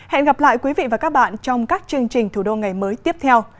hẹn gặp lại quý vị và các bạn trong các chương trình thủ đô ngày mới tiếp theo